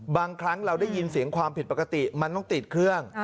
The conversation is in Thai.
บางครั้งเราได้ยินเสียงความผิดปกติมันต้องติดเครื่อง